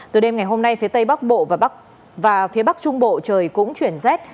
từ đêm ngày hôm nay phía tây bắc bộ và phía bắc trung bộ trời cũng chuyển rét